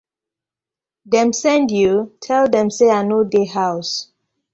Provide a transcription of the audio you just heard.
Dem send you? tell dem say I no dey house.